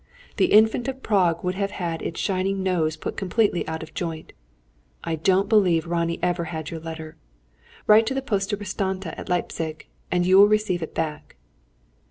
The Infant of Prague would have had its shining nose put completely out of joint. I don't believe Ronnie ever had your letter. Write to the Poste Restante at Leipzig, and you will receive it back."